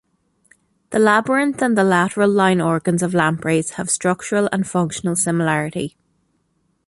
The labyrinth and the lateral line organs of lampreys have structural and functional similarity.